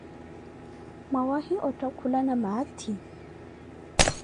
Mwawahi otthakhulana maathi?